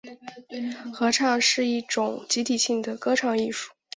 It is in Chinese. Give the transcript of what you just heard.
合唱指一种集体性的歌唱艺术。